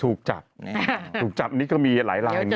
ถูกจับถูกจับนี่ก็มีหลายลายนะ